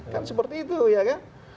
kan seperti itu ya kan